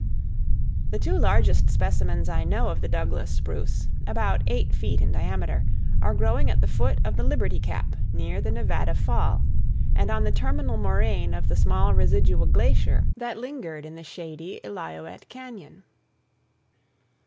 The two largest specimens I know of the Douglas spruce, about eight feet in diameter, are growing at the foot of the Liberty Cap near the Nevada Fall, and on the terminal moraine of the small residual glacier that lingered in the shady Illilouette Cañon.